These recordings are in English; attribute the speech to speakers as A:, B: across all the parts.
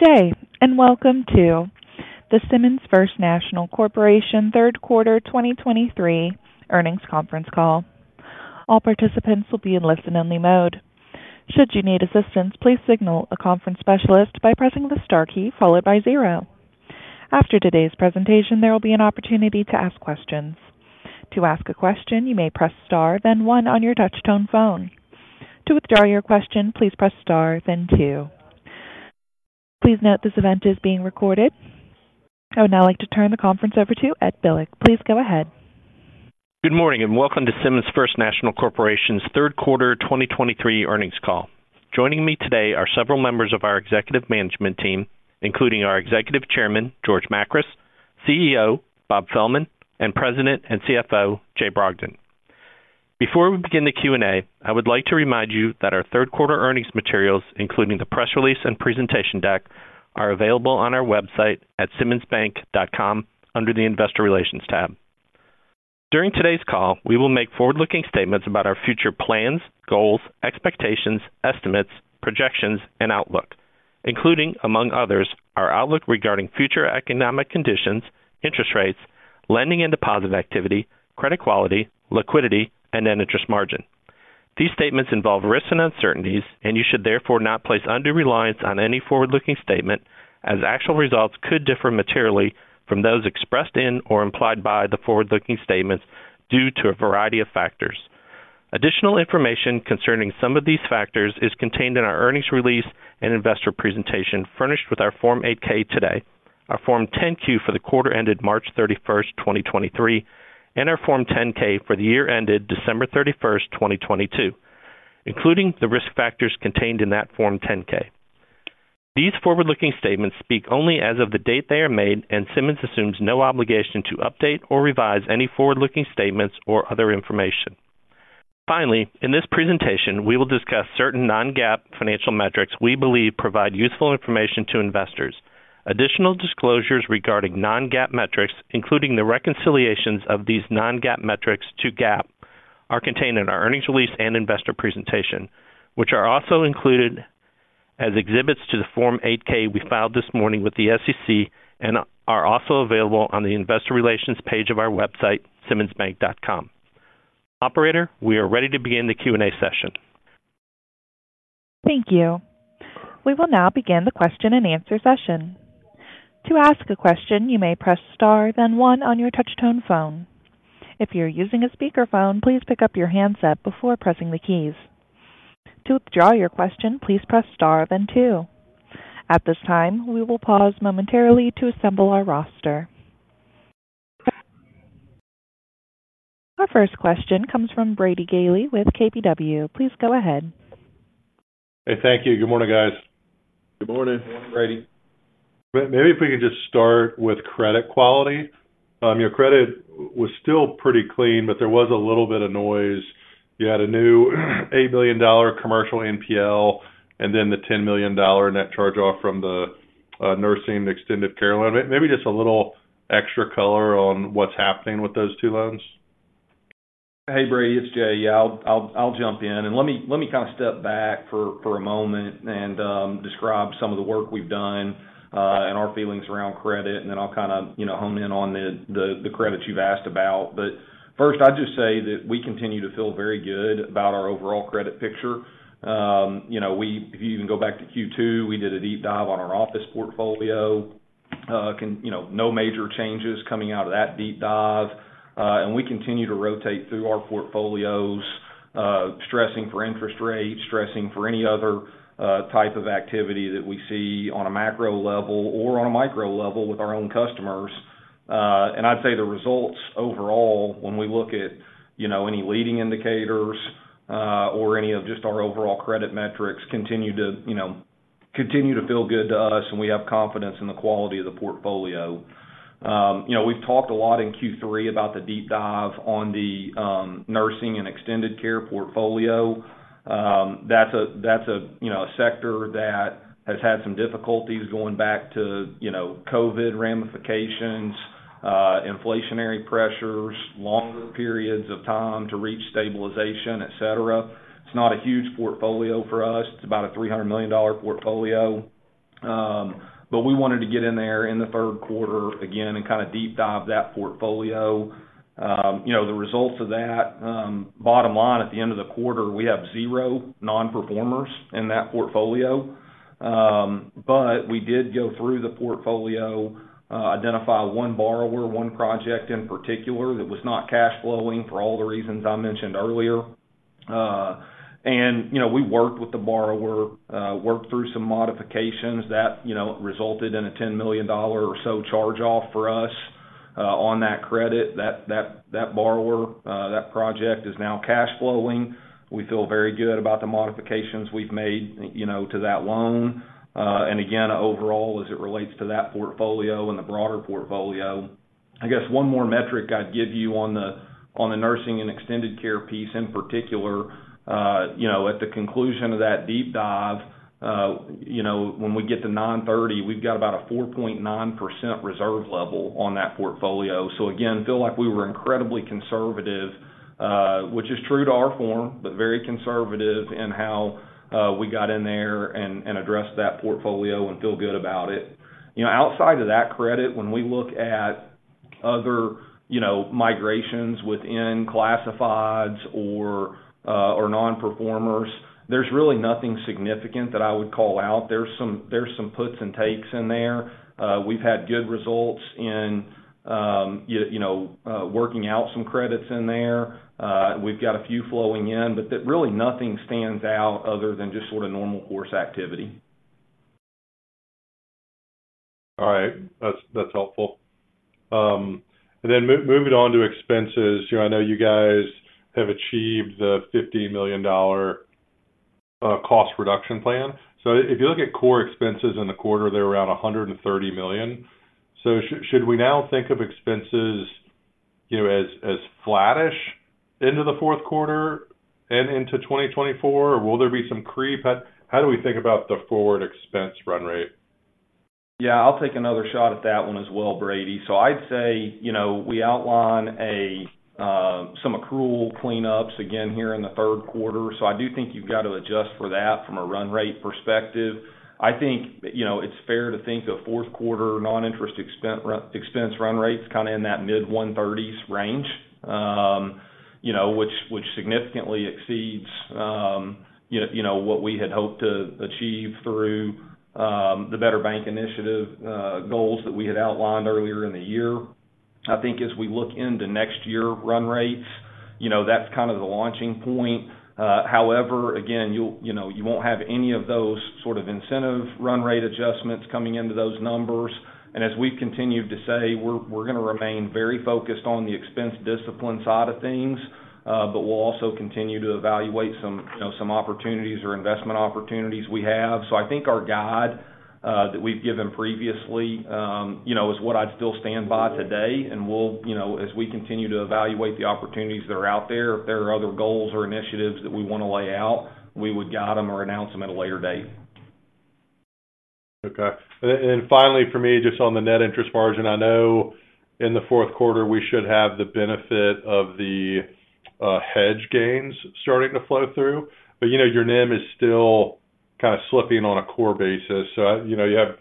A: Good day, and welcome to the Simmons First National Corporation Third Quarter 2023 Earnings Conference Call. All participants will be in listen-only mode. Should you need assistance, please signal a conference specialist by pressing the star key followed by zero. After today's presentation, there will be an opportunity to ask questions. To ask a question, you may press star, then one on your touchtone phone. To withdraw your question, please press star, then two. Please note, this event is being recorded. I would now like to turn the conference over to Ed Bilek. Please go ahead.
B: Good morning, and welcome to Simmons First National Corporation's Third Quarter 2023 Earnings Call. Joining me today are several members of our executive management team, including our Executive Chairman, George Makris, CEO, Bob Fehlman, and President and CFO, Jay Brogdon. Before we begin the Q&A, I would like to remind you that our third quarter earnings materials, including the press release and presentation deck, are available on our website at simmonsbank.com under the Investor Relations tab. During today's call, we will make forward-looking statements about our future plans, goals, expectations, estimates, projections, and outlook, including, among others, our outlook regarding future economic conditions, interest rates, lending and deposit activity, credit quality, liquidity, and net interest margin. These statements involve risks and uncertainties, and you should therefore not place undue reliance on any forward-looking statement as actual results could differ materially from those expressed in or implied by the forward-looking statements due to a variety of factors. Additional information concerning some of these factors is contained in our earnings release and investor presentation, furnished with our Form 8-K today, our Form 10-Q for the quarter ended March 31st, 2023, and our Form 10-K for the year ended December 31st, 2022, including the risk factors contained in that Form 10-K. These forward-looking statements speak only as of the date they are made, and Simmons assumes no obligation to update or revise any forward-looking statements or other information. Finally, in this presentation, we will discuss certain non-GAAP financial metrics we believe provide useful information to investors. Additional disclosures regarding non-GAAP metrics, including the reconciliations of these non-GAAP metrics to GAAP, are contained in our earnings release and investor presentation, which are also included as exhibits to the Form 8-K we filed this morning with the SEC and are also available on the Investor Relations page of our website, simmonsbank.com. Operator, we are ready to begin the Q&A session.
A: Thank you. We will now begin the question-and-answer session. To ask a question, you may press star, then one on your touchtone phone. If you're using a speakerphone, please pick up your handset before pressing the keys. To withdraw your question, please press star, then two. At this time, we will pause momentarily to assemble our roster. Our first question comes from Brady Gailey with KBW. Please go ahead.
C: Hey, thank you. Good morning, guys.
D: Good morning, Brady.
C: Maybe if we could just start with credit quality. Your credit was still pretty clean, but there was a little bit of noise. You had a new $8 million commercial NPL and then the $10 million net charge-off from the nursing extended care loan. Maybe just a little extra color on what's happening with those two loans.
D: Hey, Brady, it's Jay. Yeah, I'll jump in and let me let me kind of step back for a moment and describe some of the work we've done and our feelings around credit, and then I'll kind of, you know, hone in on the credits you've asked about. But first, I'd just say that we continue to feel very good about our overall credit picture. You know, we—if you even go back to Q2, we did a deep dive on our office portfolio. You know, no major changes coming out of that deep dive, and we continue to rotate through our portfolios, stressing for interest rate, stressing for any other type of activity that we see on a macro level or on a micro level with our own customers. And I'd say the results overall, when we look at, you know, any leading indicators, or any of just our overall credit metrics, continue to, you know, continue to feel good to us, and we have confidence in the quality of the portfolio. You know, we've talked a lot in Q3 about the deep dive on the nursing and extended care portfolio. That's a, that's a, you know, a sector that has had some difficulties going back to, you know, COVID ramifications, inflationary pressures, longer periods of time to reach stabilization, et cetera. It's not a huge portfolio for us. It's about a $300 million portfolio. But we wanted to get in there in the third quarter again and kind of deep dive that portfolio. You know, the results of that, bottom line, at the end of the quarter, we have zero non-performers in that portfolio. But we did go through the portfolio, identify one borrower, one project in particular, that was not cash flowing for all the reasons I mentioned earlier. And, you know, we worked with the borrower, worked through some modifications that, you know, resulted in a $10 million or so charge-off for us, on that credit. That, that, that borrower, that project is now cash flowing. We feel very good about the modifications we've made, you know, to that loan. And again, overall, as it relates to that portfolio and the broader portfolio, I guess one more metric I'd give you on the nursing and extended care piece in particular, you know, at the conclusion of that deep dive, you know, when we get to 9:30, we've got about a 4.9% reserve level on that portfolio. So again, feel like we were incredibly conservative, which is true to our form, but very conservative in how we got in there and addressed that portfolio and feel good about it. You know, outside of that credit, when we look at other migrations within classifieds or nonperformers, there's really nothing significant that I would call out. There's some puts and takes in there. We've had good results in, you know, working out some credits in there. We've got a few flowing in, but that really nothing stands out other than just sort of normal course activity.
C: All right. That's, that's helpful. And then moving on to expenses. You know, I know you guys have achieved the $50 million cost reduction plan. So if you look at core expenses in the quarter, they're around $130 million. So should we now think of expenses, you know, as, as flattish into the fourth quarter and into 2024, or will there be some creep? How, how do we think about the forward expense run rate?
D: Yeah, I'll take another shot at that one as well, Brady. So I'd say, you know, we outline a some accrual cleanups again here in the third quarter. So I do think you've got to adjust for that from a run rate perspective. I think, you know, it's fair to think of fourth quarter non-interest expense run rates kind of in that mid-130s range, you know, which significantly exceeds, you know, what we had hoped to achieve through the Better Bank Initiative goals that we had outlined earlier in the year. I think as we look into next year run rates, you know, that's kind of the launching point. However, again, you'll—you know, you won't have any of those sort of incentive run rate adjustments coming into those numbers. And as we've continued to say, we're going to remain very focused on the expense discipline side of things, but we'll also continue to evaluate some, you know, some opportunities or investment opportunities we have. So I think our guide that we've given previously, you know, is what I'd still stand by today, and we'll, you know, as we continue to evaluate the opportunities that are out there, if there are other goals or initiatives that we want to lay out, we would guide them or announce them at a later date.
C: Okay. And then, and finally, for me, just on the net interest margin, I know in the fourth quarter, we should have the benefit of the hedge gains starting to flow through, but, you know, your NIM is still kind of slipping on a core basis. So, you know, you have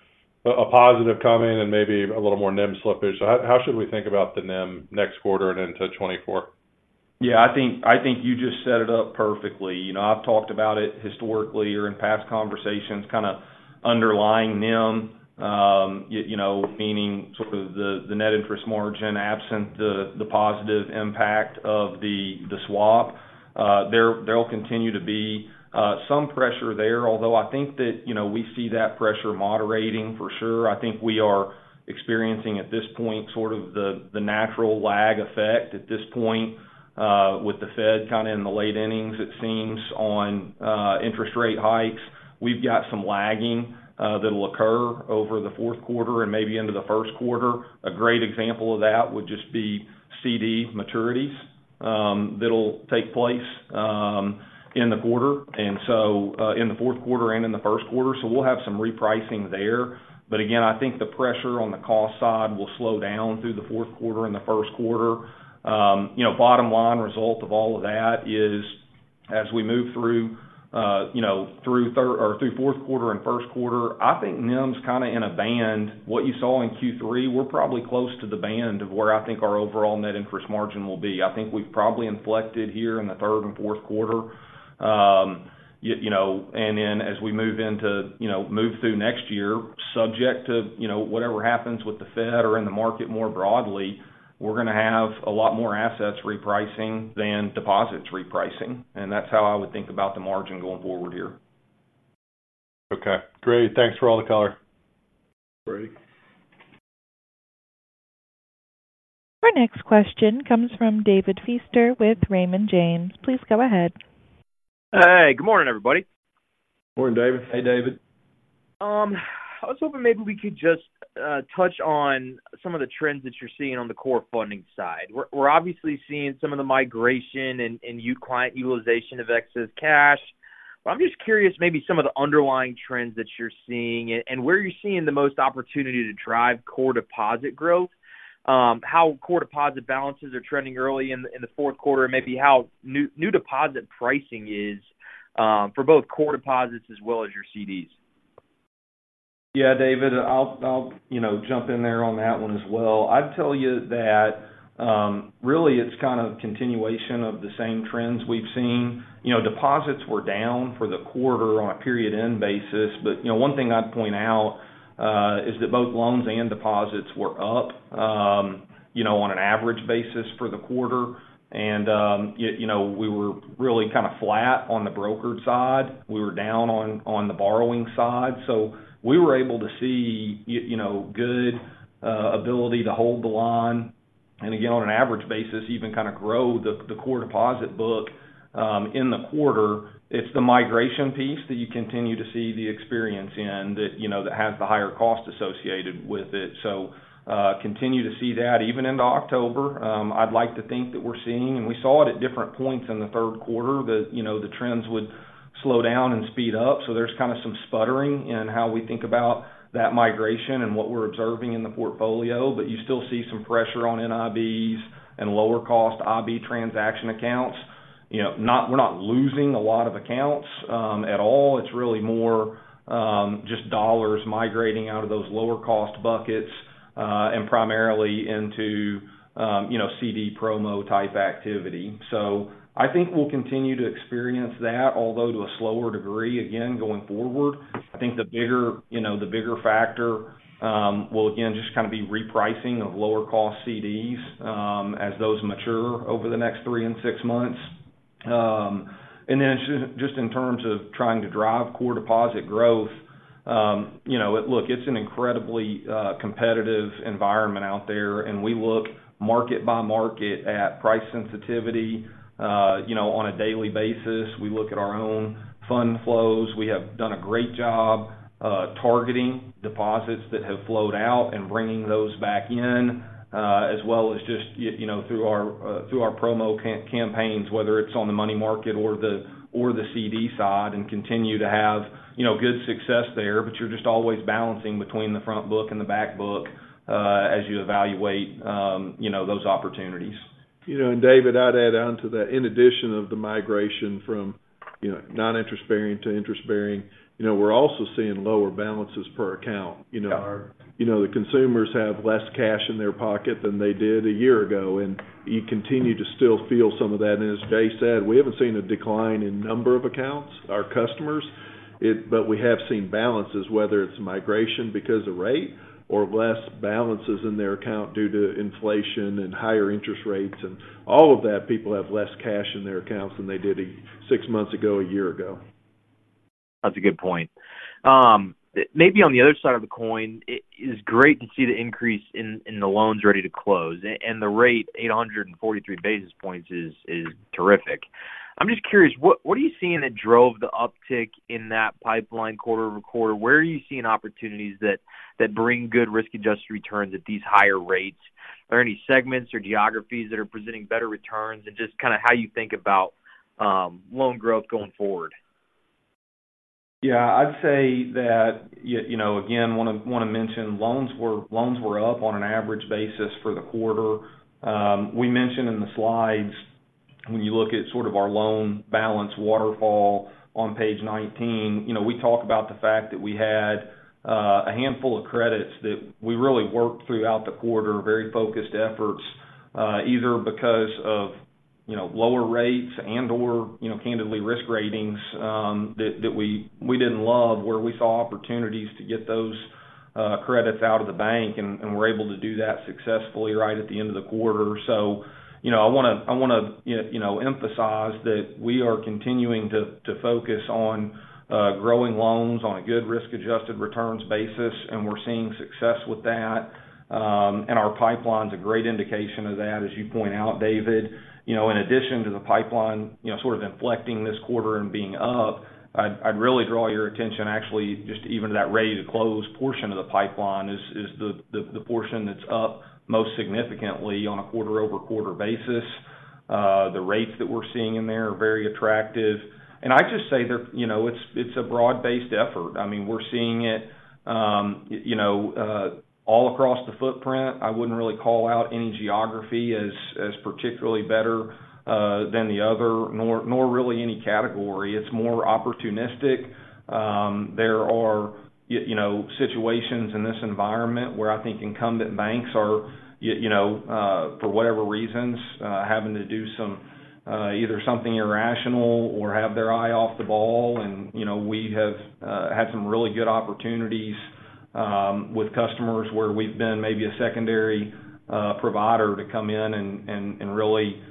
C: a positive coming and maybe a little more NIM slippage. So how should we think about the NIM next quarter and into 2024?
D: Yeah, I think, I think you just set it up perfectly. You know, I've talked about it historically or in past conversations, kind of underlying NIM, you know, meaning sort of the, the net interest margin, absent the, the positive impact of the, the swap. There, there will continue to be some pressure there, although I think that, you know, we see that pressure moderating for sure. I think we are experiencing, at this point, sort of the, the natural lag effect at this point, with the Fed kind of in the late innings, it seems, on, interest rate hikes. We've got some lagging that'll occur over the fourth quarter and maybe into the first quarter. A great example of that would just be CD maturities, that'll take place, in the quarter, and so, in the fourth quarter and in the first quarter, so we'll have some repricing there. But again, I think the pressure on the cost side will slow down through the fourth quarter and the first quarter. You know, bottom line result of all of that is, as we move through, you know, through third or through fourth quarter and first quarter, I think NIM's kind of in a band. What you saw in Q3, we're probably close to the band of where I think our overall net interest margin will be. I think we've probably inflected here in the third and fourth quarter. You know, and then as we move into, you know, move through next year, subject to, you know, whatever happens with the Fed or in the market more broadly, we're going to have a lot more assets repricing than deposits repricing, and that's how I would think about the margin going forward here.
C: Okay, great. Thanks for all the color.
D: Brady.
A: Our next question comes from David Feaster with Raymond James. Please go ahead.
E: Hey, good morning, everybody.
D: Good morning, David.
F: Hey, David.
E: I was hoping maybe we could just touch on some of the trends that you're seeing on the core funding side. We're, we're obviously seeing some of the migration and, and client utilization of excess cash, but I'm just curious, maybe some of the underlying trends that you're seeing and, and where are you seeing the most opportunity to drive core deposit growth, how core deposit balances are trending early in, in the fourth quarter, and maybe how new, new deposit pricing is, for both core deposits as well as your CDs?
D: Yeah, David, I'll, you know, jump in there on that one as well. I'd tell you that, really, it's kind of a continuation of the same trends we've seen. You know, deposits were down for the quarter on a period-end basis, but, you know, one thing I'd point out is that both loans and deposits were up, you know, on an average basis for the quarter. And yet, you know, we were really kind of flat on the brokered side. We were down on the borrowing side. So we were able to see you know, good ability to hold the line, and again, on an average basis, even kind of grow the core deposit book in the quarter. It's the migration piece that you continue to see the experience in, that, you know, that has the higher cost associated with it. So, continue to see that even into October. I'd like to think that we're seeing, and we saw it at different points in the third quarter, that, you know, the trends would slow down and speed up. So there's kind of some sputtering in how we think about that migration and what we're observing in the portfolio, but you still see some pressure on NIBs and lower-cost IB transaction accounts... you know, we're not losing a lot of accounts, at all. It's really more, just dollars migrating out of those lower cost buckets, and primarily into, you know, CD promo type activity. So I think we'll continue to experience that, although to a slower degree, again, going forward. I think the bigger, you know, the bigger factor, will again, just kind of be repricing of lower cost CDs, as those mature over the next three and six months. And then just in terms of trying to drive core deposit growth, you know, look, it's an incredibly competitive environment out there, and we look market by market at price sensitivity, you know, on a daily basis. We look at our own fund flows. We have done a great job targeting deposits that have flowed out and bringing those back in, as well as just you know, through our through our promo campaigns, whether it's on the money market or the CD side, and continue to have, you know, good success there. But you're just always balancing between the front book and the back book, as you evaluate, you know, those opportunities.
F: You know, and David, I'd add on to that, in addition of the migration from, you know, non-interest bearing to interest bearing, you know, we're also seeing lower balances per account.
D: Yeah.
F: You know, the consumers have less cash in their pocket than they did a year ago, and you continue to still feel some of that. And as Jay said, we haven't seen a decline in number of accounts, our customers, but we have seen balances, whether it's migration because of rate or less balances in their account due to inflation and higher interest rates and all of that, people have less cash in their accounts than they did six months ago, a year ago.
E: That's a good point. Maybe on the other side of the coin, it is great to see the increase in, in the loans ready to close, and the rate, 843 basis points, is, is terrific. I'm just curious, what, what are you seeing that drove the uptick in that pipeline quarter-over-quarter? Where are you seeing opportunities that, that bring good risk-adjusted returns at these higher rates? Are there any segments or geographies that are presenting better returns, and just kind of how you think about, loan growth going forward?
D: Yeah, I'd say that, you know, again, want to mention loans were up on an average basis for the quarter. We mentioned in the slides, when you look at sort of our loan balance waterfall on page 19, you know, we talk about the fact that we had a handful of credits that we really worked throughout the quarter, very focused efforts, either because of, you know, lower rates and/or, you know, candidly, risk ratings, that we didn't love, where we saw opportunities to get those credits out of the bank, and we're able to do that successfully right at the end of the quarter. So, you know, I want to, I want to, you know, emphasize that we are continuing to, to focus on growing loans on a good risk-adjusted returns basis, and we're seeing success with that. And our pipeline's a great indication of that, as you point out, David. You know, in addition to the pipeline, you know, sort of inflecting this quarter and being up, I'd really draw your attention, actually, just even to that ready to close portion of the pipeline is the portion that's up most significantly on a quarter-over-quarter basis. The rates that we're seeing in there are very attractive, and I'd just say they're, you know, it's a broad-based effort. I mean, we're seeing it, you know, all across the footprint. I wouldn't really call out any geography as particularly better than the other, nor really any category. It's more opportunistic. There are, you know, situations in this environment where I think incumbent banks are, you know, for whatever reasons, having to do some either something irrational or have their eye off the ball. And, you know, we have had some really good opportunities with customers where we've been maybe a secondary provider to come in and really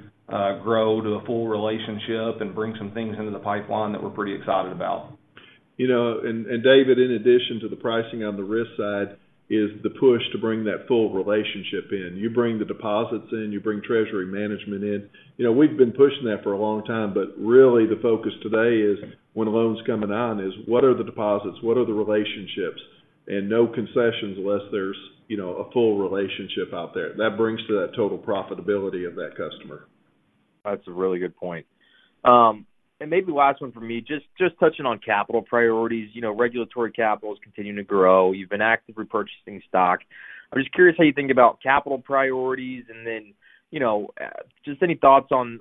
D: grow to the full relationship and bring some things into the pipeline that we're pretty excited about.
F: You know, and David, in addition to the pricing on the risk side, is the push to bring that full relationship in. You bring the deposits in, you bring treasury management in. You know, we've been pushing that for a long time, but really the focus today is, when a loan's coming on, is what are the deposits? What are the relationships? And no concessions unless there's, you know, a full relationship out there. That brings to that total profitability of that customer.
E: That's a really good point. And maybe last one for me, just touching on capital priorities. You know, regulatory capital is continuing to grow. You've been active repurchasing stock. I'm just curious how you think about capital priorities, and then, you know, just any thoughts on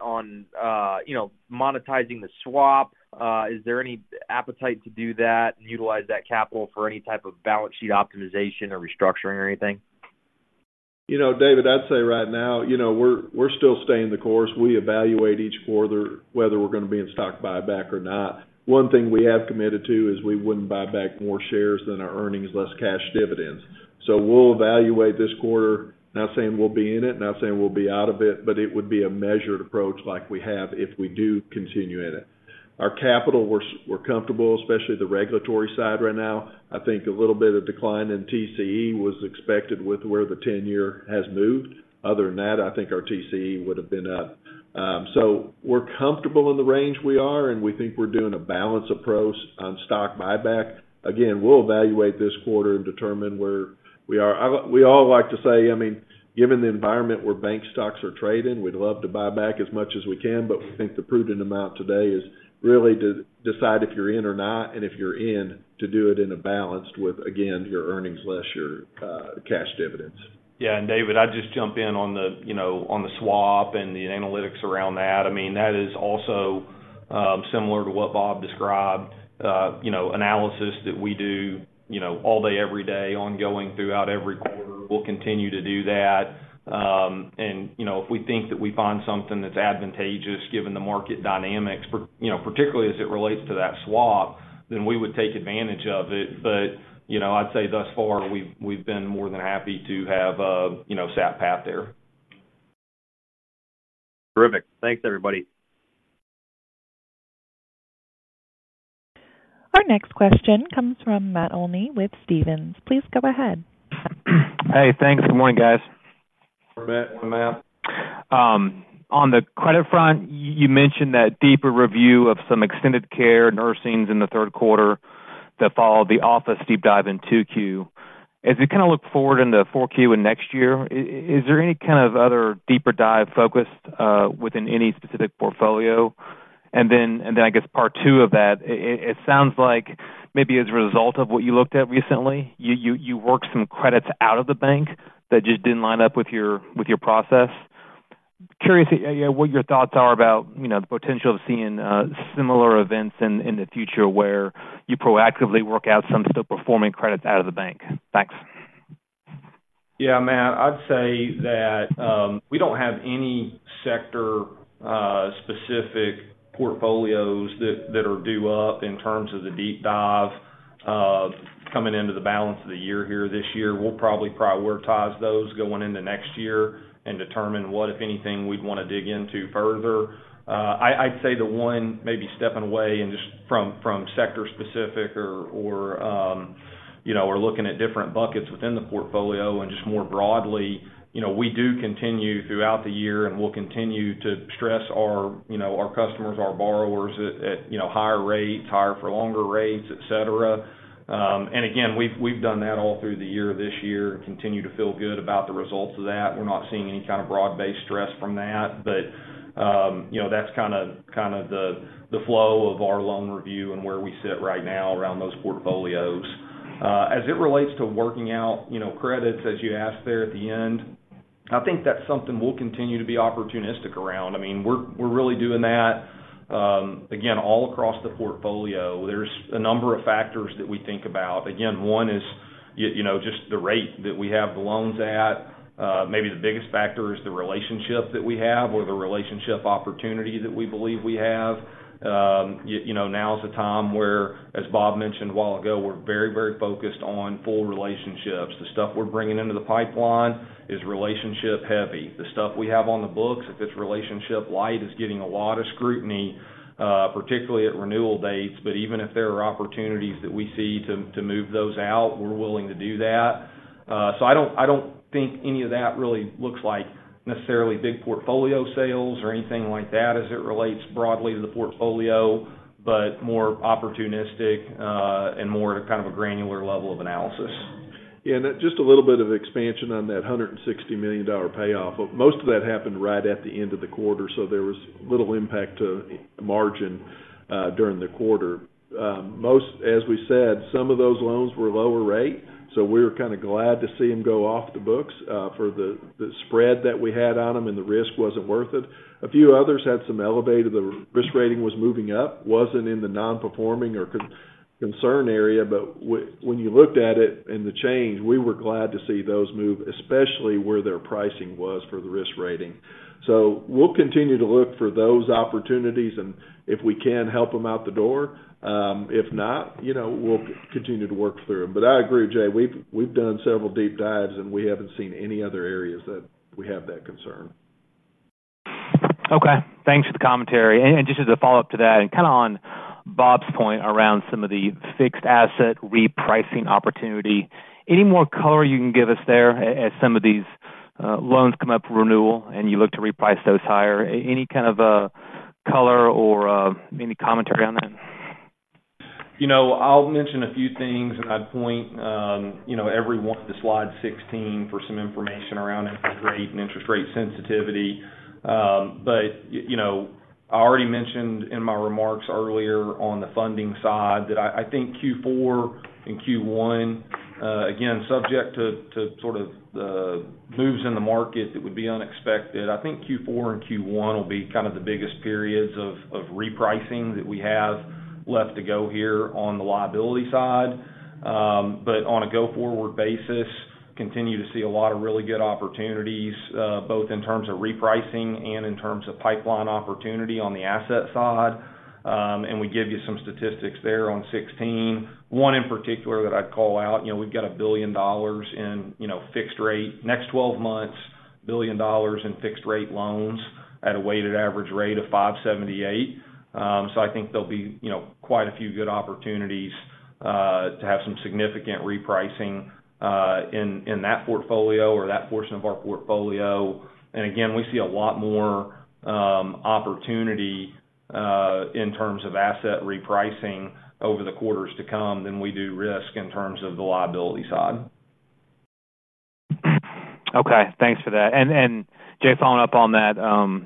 E: you know, monetizing the swap? Is there any appetite to do that and utilize that capital for any type of balance sheet optimization or restructuring or anything?
F: You know, David, I'd say right now, you know, we're still staying the course. We evaluate each quarter, whether we're going to be in stock buyback or not. One thing we have committed to is we wouldn't buy back more shares than our earnings less cash dividends. So we'll evaluate this quarter, not saying we'll be in it, not saying we'll be out of it, but it would be a measured approach like we have, if we do continue in it. Our capital, we're comfortable, especially the regulatory side right now. I think a little bit of decline in TCE was expected with where the 10-year has moved. Other than that, I think our TCE would have been up. So we're comfortable in the range we are, and we think we're doing a balanced approach on stock buyback. Again, we'll evaluate this quarter and determine where we are. We all like to say, I mean, given the environment where bank stocks are trading, we'd love to buy back as much as we can, but we think the prudent amount today is really to decide if you're in or not, and if you're in, to do it in a balanced with, again, your earnings less your cash dividends.
D: Yeah, and David, I'd just jump in on the, you know, on the swap and the analytics around that. I mean, that is also similar to what Bob described, you know, analysis that we do, you know, all day, every day, ongoing throughout every quarter. We'll continue to do that. And, you know, if we think that we find something that's advantageous, given the market dynamics, you know, particularly as it relates to that swap, then we would take advantage of it. But, you know, I'd say thus far, we've been more than happy to have, you know, sat pat there.
E: Terrific. Thanks, everybody.
A: Our next question comes from Matt Olney with Stephens. Please go ahead.
G: Hey, thanks. Good morning, guys.
F: Matt.
D: Matt.
G: On the credit front, you mentioned that deeper review of some extended care nursing in the third quarter that followed the office deep dive in 2Q. As you kind of look forward in the 4Q in next year, is there any kind of other deeper dive focused within any specific portfolio? And then, and then I guess part two of that, it sounds like maybe as a result of what you looked at recently, you worked some credits out of the bank that just didn't line up with your process. Curious, yeah, what your thoughts are about, you know, the potential of seeing similar events in the future, where you proactively work out some still performing credits out of the bank. Thanks.
D: Yeah, Matt, I'd say that, we don't have any sector specific portfolios that are due up in terms of the deep dive. Coming into the balance of the year here this year, we'll probably prioritize those going into next year and determine what, if anything, we'd want to dig into further. I'd say the one maybe stepping away and just from sector specific or you know, we're looking at different buckets within the portfolio and just more broadly, you know, we do continue throughout the year, and we'll continue to stress our, you know, our customers, our borrowers at you know, higher rates, higher for longer rates, et cetera. And again, we've done that all through the year, this year, and continue to feel good about the results of that. We're not seeing any kind of broad-based stress from that, but, you know, that's kinda the flow of our loan review and where we sit right now around those portfolios. As it relates to working out, you know, credits, as you asked there at the end, I think that's something we'll continue to be opportunistic around. I mean, we're really doing that, again, all across the portfolio. There's a number of factors that we think about. Again, one is, you know, just the rate that we have the loans at. Maybe the biggest factor is the relationship that we have or the relationship opportunity that we believe we have. You know, now is the time where, as Bob mentioned a while ago, we're very, very focused on full relationships. The stuff we're bringing into the pipeline is relationship heavy. The stuff we have on the books, if it's relationship light, is getting a lot of scrutiny, particularly at renewal dates, but even if there are opportunities that we see to move those out, we're willing to do that. So I don't think any of that really looks like necessarily big portfolio sales or anything like that as it relates broadly to the portfolio, but more opportunistic and more kind of a granular level of analysis.
F: Yeah, and just a little bit of expansion on that $160 million payoff. Most of that happened right at the end of the quarter, so there was little impact to margin during the quarter. Most, as we said, some of those loans were lower rate, so we were kind of glad to see them go off the books for the spread that we had on them, and the risk wasn't worth it. A few others had some elevated. The risk rating was moving up, wasn't in the non-performing or concern area, but when you looked at it and the change, we were glad to see those move, especially where their pricing was for the risk rating. So we'll continue to look for those opportunities, and if we can, help them out the door. If not, you know, we'll continue to work through them. But I agree, Jay, we've done several deep dives, and we haven't seen any other areas that we have that concern.
G: Okay, thanks for the commentary. And just as a follow-up to that, and kind of on Bob's point around some of the fixed asset repricing opportunity, any more color you can give us there as some of these loans come up for renewal and you look to reprice those higher? Any kind of a color or any commentary on that?
D: You know, I'll mention a few things, and I'd point, you know, everyone to slide 16 for some information around interest rate and interest rate sensitivity. But, you know, I already mentioned in my remarks earlier on the funding side that I think Q4 and Q1, again, subject to sort of the moves in the market that would be unexpected. I think Q4 and Q1 will be kind of the biggest periods of repricing that we have left to go here on the liability side. But on a go-forward basis, continue to see a lot of really good opportunities, both in terms of repricing and in terms of pipeline opportunity on the asset side. And we give you some statistics there on 16. One in particular that I'd call out, you know, we've got $1 billion in, you know, fixed rate. Next 12 months, $1 billion in fixed-rate loans at a weighted average rate of 5.78%. So I think there'll be, you know, quite a few good opportunities to have some significant repricing in that portfolio or that portion of our portfolio. And again, we see a lot more opportunity in terms of asset repricing over the quarters to come than we do risk in terms of the liability side.
G: Okay, thanks for that. And, Jay, following up on that,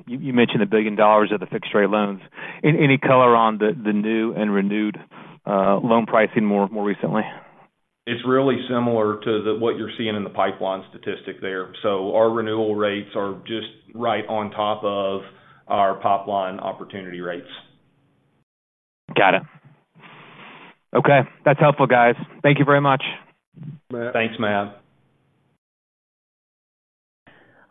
G: you mentioned $1 billion of the fixed rate loans. Any color on the new and renewed loan pricing more recently?
D: It's really similar to what you're seeing in the pipeline statistic there. So our renewal rates are just right on top of our top line opportunity rates.
G: Got it. Okay. That's helpful, guys. Thank you very much.
D: Thanks, Matt.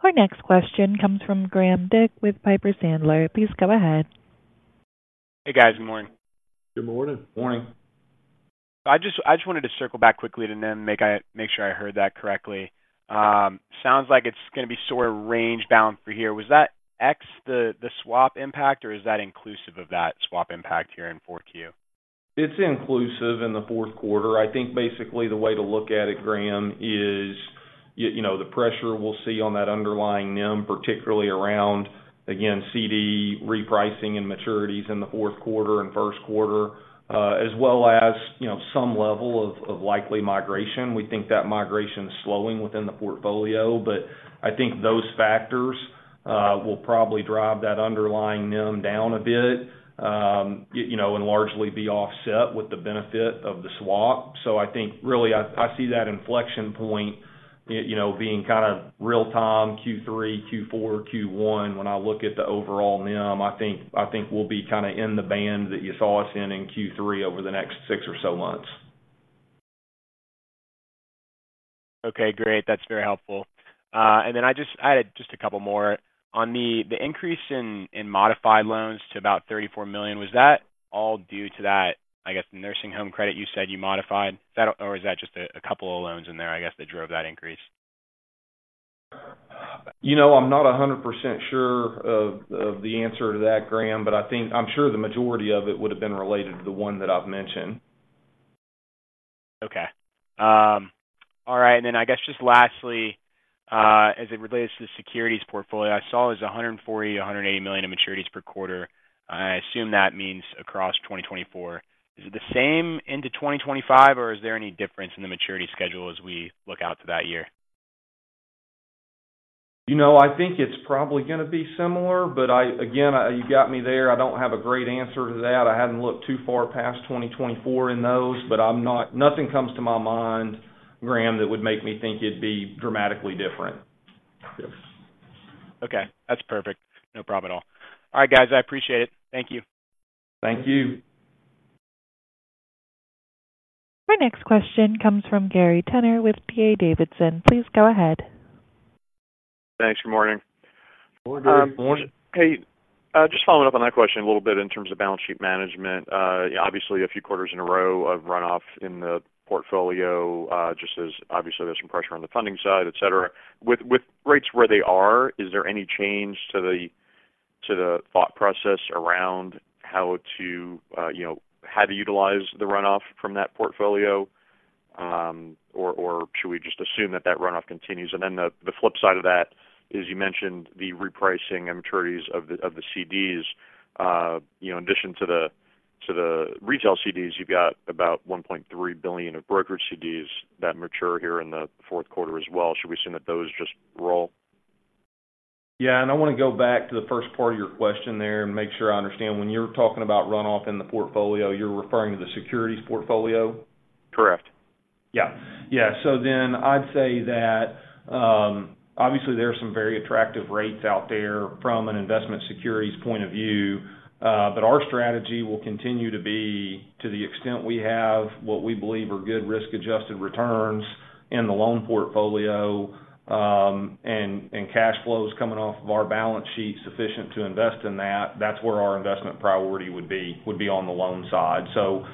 A: Our next question comes from Graham Dick with Piper Sandler. Please go ahead.
H: Hey, guys. Good morning.
D: Good morning.
A: Morning.
H: I just, I just wanted to circle back quickly and then make sure I heard that correctly. Sounds like it's gonna be sort of range bound for here. Was that ex-the swap impact, or is that inclusive of that swap impact here in 4Q?
D: It's inclusive in the fourth quarter. I think basically the way to look at it, Graham, is, you know, the pressure we'll see on that underlying NIM, particularly around, again, CD repricing and maturities in the fourth quarter and first quarter, as well as, you know, some level of likely migration. We think that migration is slowing within the portfolio, but I think those factors will probably drive that underlying NIM down a bit, you know, and largely be offset with the benefit of the swap. So I think really, I see that inflection point, you know, being kind of real time, Q3, Q4, Q1. When I look at the overall NIM, I think we'll be kinda in the band that you saw us in Q3 over the next six or so months.
H: Okay, great. That's very helpful. And then I had just a couple more. On the increase in modified loans to about $34 million, was that all due to that, I guess, the nursing home credit you said you modified? Is that or is that just a couple of loans in there, I guess, that drove that increase?
D: You know, I'm not 100% sure of the answer to that, Graham, but I think, I'm sure the majority of it would have been related to the one that I've mentioned.
H: Okay. All right, and then I guess, just lastly, as it relates to the securities portfolio, I saw it was $140 million-$180 million in maturities per quarter. I assume that means across 2024. Is it the same into 2025, or is there any difference in the maturity schedule as we look out to that year?
D: You know, I think it's probably gonna be similar, but I-- again, you got me there. I don't have a great answer to that. I haven't looked too far past 2024 in those, but I'm not-- nothing comes to my mind, Graham, that would make me think it'd be dramatically different.
H: Okay, that's perfect. No problem at all. All right, guys, I appreciate it. Thank you.
D: Thank you.
A: Our next question comes from Gary Tenner with D.A. Davidson. Please go ahead.
I: Thanks. Good morning.
D: Good morning.
F: Morning.
I: Hey, just following up on that question a little bit in terms of balance sheet management. Obviously, a few quarters in a row of runoff in the portfolio, just as obviously, there's some pressure on the funding side, et cetera. With rates where they are, is there any change to the thought process around how to utilize the runoff from that portfolio, or should we just assume that that runoff continues? And then the flip side of that is you mentioned the repricing and maturities of the CDs. You know, in addition to the retail CDs, you've got about $1.3 billion of brokerage CDs that mature here in the fourth quarter as well. Should we assume that those just roll?
D: Yeah, and I wanna go back to the first part of your question there and make sure I understand. When you're talking about runoff in the portfolio, you're referring to the securities portfolio?
I: Correct.
D: Yeah. Yeah, so then I'd say that, obviously, there are some very attractive rates out there from an investment securities point of view, but our strategy will continue to be, to the extent we have what we believe are good risk-adjusted returns in the loan portfolio, and cash flows coming off of our balance sheet sufficient to invest in that, that's where our investment priority would be on the loan side. So,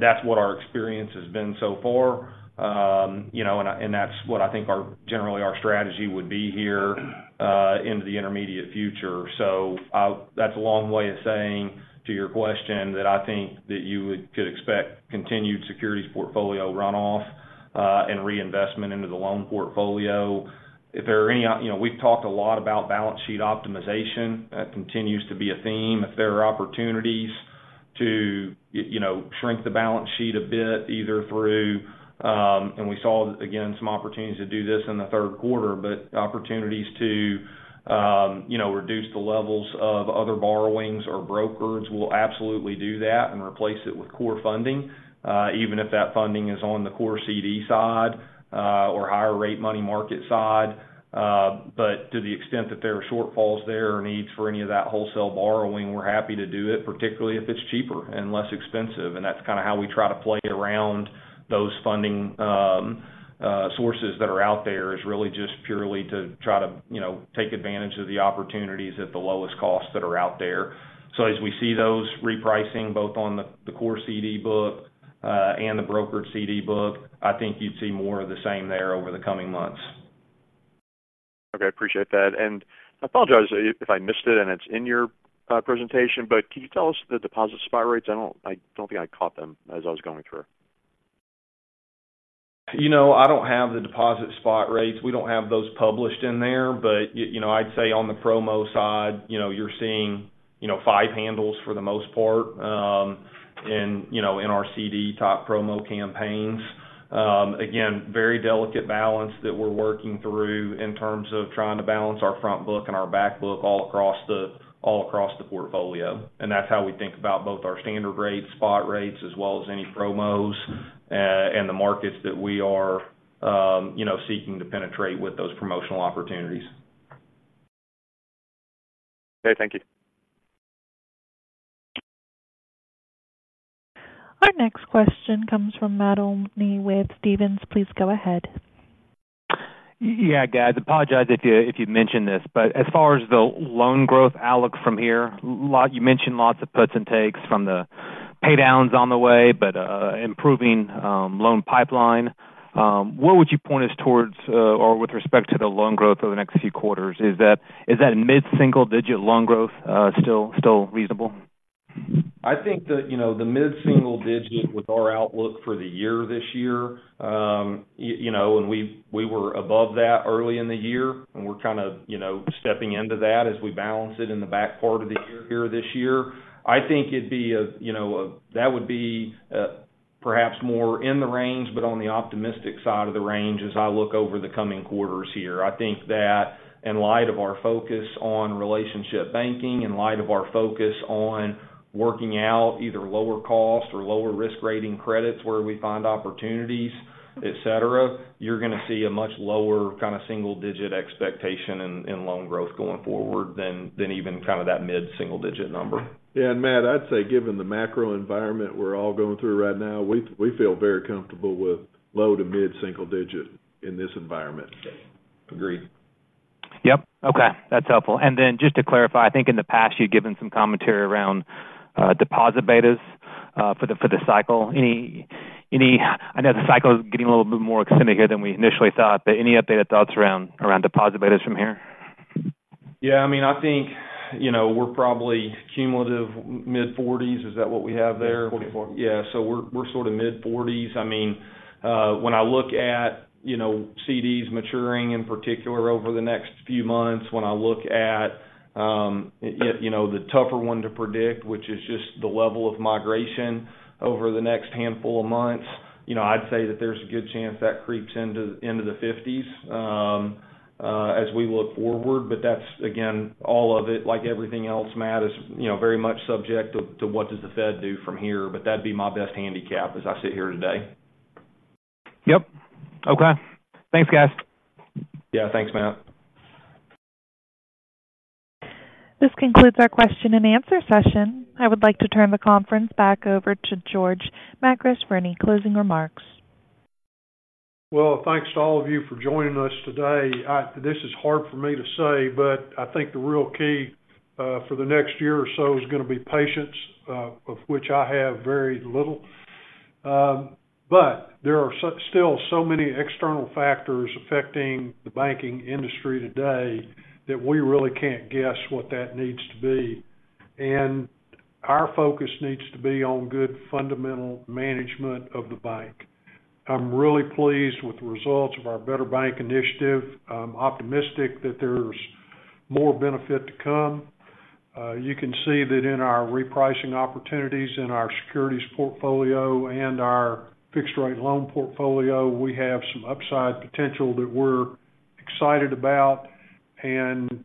D: that's what our experience has been so far. You know, and that's what I think generally our strategy would be here, into the intermediate future. So, that's a long way of saying to your question that I think that you could expect continued securities portfolio runoff, and reinvestment into the loan portfolio. If there are any—you know, we've talked a lot about balance sheet optimization. That continues to be a theme. If there are opportunities to, you know, shrink the balance sheet a bit, either through, and we saw, again, some opportunities to do this in the third quarter, but opportunities to, you know, reduce the levels of other borrowings or brokered, we'll absolutely do that and replace it with core funding, even if that funding is on the core CD side, or higher rate money market side. But to the extent that there are shortfalls there or needs for any of that wholesale borrowing, we're happy to do it, particularly if it's cheaper and less expensive. That's kinda how we try to play around those funding sources that are out there, is really just purely to try to, you know, take advantage of the opportunities at the lowest costs that are out there. So as we see those repricing, both on the core CD book and the brokered CD book, I think you'd see more of the same there over the coming months.
I: Okay, I appreciate that. And I apologize if I missed it, and it's in your presentation, but can you tell us the deposit spot rates? I don't think I caught them as I was going through.
D: You know, I don't have the deposit spot rates. We don't have those published in there. But you know, I'd say on the promo side, you know, you're seeing, you know, five handles for the most part, in our CD top promo campaigns. Again, very delicate balance that we're working through in terms of trying to balance our front book and our back book all across the portfolio, and that's how we think about both our standard rates, spot rates, as well as any promos, and the markets that we are, you know, seeking to penetrate with those promotional opportunities.
I: Okay, thank you.
A: Our next question comes from Matt Olney with Stephens. Please go ahead.
G: Yeah, guys, apologize if you've mentioned this, but as far as the loan growth outlook from here, you mentioned lots of puts and takes from the pay downs on the way, but improving loan pipeline. Where would you point us towards, or with respect to the loan growth over the next few quarters? Is that mid-single-digit loan growth still reasonable?
D: I think that, you know, the mid-single digit with our outlook for the year this year, you know, and we were above that early in the year, and we're kind of, you know, stepping into that as we balance it in the back part of the year here this year. I think it'd be a, you know, that would be, perhaps more in the range, but on the optimistic side of the range as I look over the coming quarters here. I think that in light of our focus on relationship banking, in light of our focus on working out either lower cost or lower risk rating credits, where we find opportunities, et cetera, you're gonna see a much lower kind of single digit expectation in loan growth going forward than even kind of that mid-single digit number.
J: Yeah, and Matt, I'd say, given the macro environment we're all going through right now, we feel very comfortable with low to mid-single digit in this environment.
D: Agreed.
G: Yep. Okay, that's helpful. And then just to clarify, I think in the past, you've given some commentary around deposit betas for the cycle. Any—I know the cycle is getting a little bit more extended here than we initially thought, but any updated thoughts around deposit betas from here?
D: Yeah, I mean, I think, you know, we're probably cumulative mid-40s. Is that what we have there?
J: 44%.
D: Yeah. So we're sort of mid-40s. I mean, when I look at, you know, CDs maturing, in particular, over the next few months, when I look at the tougher one to predict, which is just the level of migration over the next handful of months, you know, I'd say that there's a good chance that creeps into the 50s as we look forward. But that's, again, all of it, like everything else, Matt, is, you know, very much subject to what does the Fed do from here. But that'd be my best handicap as I sit here today.
G: Yep. Okay. Thanks, guys.
D: Yeah, thanks, Matt.
A: This concludes our question and answer session. I would like to turn the conference back over to George Makris for any closing remarks.
J: Well, thanks to all of you for joining us today. This is hard for me to say, but I think the real key for the next year or so is gonna be patience, of which I have very little. But there are still so many external factors affecting the banking industry today, that we really can't guess what that needs to be. And our focus needs to be on good, fundamental management of the bank. I'm really pleased with the results of our Better Bank Initiative. I'm optimistic that there's more benefit to come. You can see that in our repricing opportunities, in our securities portfolio, and our fixed-rate loan portfolio, we have some upside potential that we're excited about, and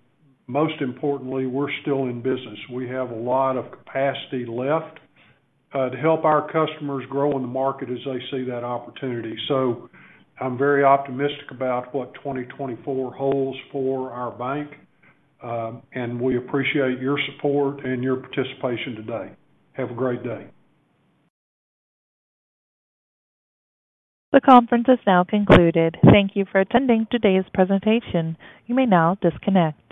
J: most importantly, we're still in business. We have a lot of capacity left, to help our customers grow in the market as they see that opportunity. So I'm very optimistic about what 2024 holds for our bank. We appreciate your support and your participation today. Have a great day.
A: The conference is now concluded. Thank you for attending today's presentation. You may now disconnect.